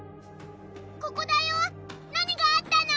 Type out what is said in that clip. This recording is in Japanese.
ここだよ。何があったの？